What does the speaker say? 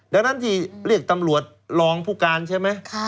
ดังนั้นที่เรียกตำรวจรองผู้การใช่ไหม